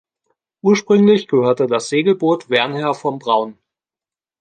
Ursprünglich gehörte das Segelboot Wernher von Braun.